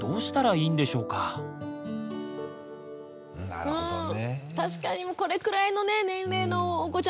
なるほどね。